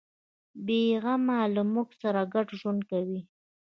بیغمه له موږ سره ګډ ژوند کوي.